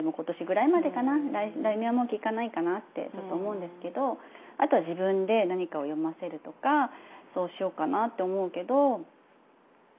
来年はもう聞かないかなってちょっと思うんですけどあとは自分で何かを読ませるとかそうしようかなって思うけど。